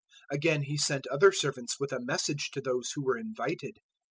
022:004 "Again he sent other servants with a message to those who were invited.